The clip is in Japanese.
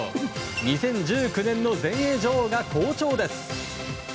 ２０１９年の全英女王が好調です。